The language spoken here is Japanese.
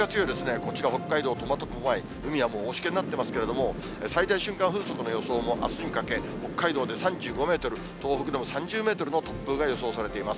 こちら、北海道の苫小牧、海はもう大しけになってますけれども、最大瞬間風速の予想もあすにかけ北海道で３５メートル、東北でも３０メートルの突風が予想されています。